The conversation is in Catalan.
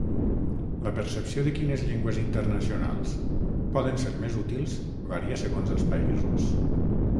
La percepció de quines llengües internacionals poden ser més útils varia segons els països.